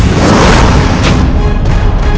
adalah gadau bersikun